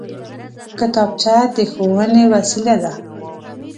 کتابچه د ښوونې وسېله ده